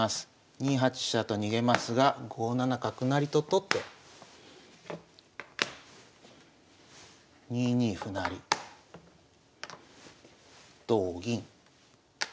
２八飛車と逃げますが５七角成と取って２二歩成同銀。